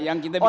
ya yang kita